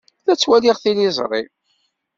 La ttwaliɣ tiliẓri.